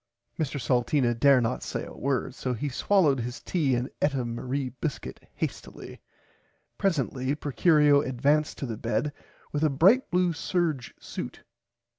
Mr Salteena dare not say a word so he swollowed his tea and eat a Marie biscuit hastilly. Presently Procurio advanced to the bed with a bright blue serge suit.